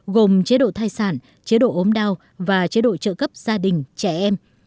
gồm chế độ thai sản chế độ ốm đau và chế độ trợ cấp gia đình trẻ em